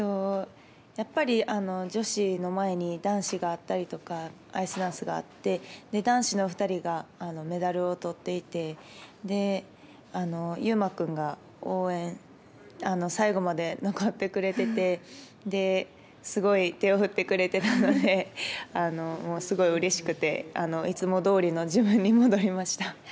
やっぱり女子の前に男子があったりとかアイスダンスがあって男子の２人がメダルを取っていて優真くんが応援最後まで残ってくれててすごい手を振ってくれてたのでもう、すごいうれしくていつもどおりの自分に戻りました。